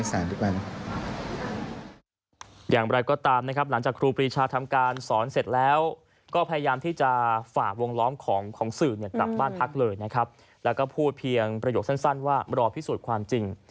ซึ่งการแถลงของจำรวจในวันนี้เป็นจุดเริ่มต้นของครูมาเป็นประกันด้วยนะครับ